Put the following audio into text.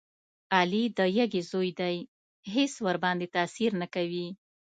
علي د یږې زوی دی هېڅ ورباندې تاثیر نه کوي.